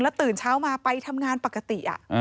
ตื่นเช้ามาไปทำงานปกติ